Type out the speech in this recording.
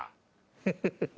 フフフフ。